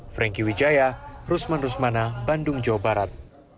franky wijaya rusman rusmana bandung jawa barat